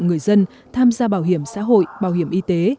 người dân tham gia bảo hiểm xã hội bảo hiểm y tế